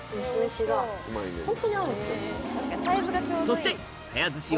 そしてあ！